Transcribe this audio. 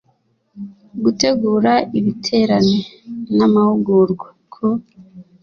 gutegura ibiterane n amahugurwa ku